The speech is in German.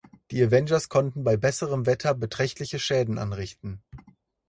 Die Avengers konnten bei besserem Wetter beträchtliche Schäden anrichten.